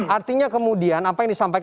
artinya kemudian apa yang disampaikan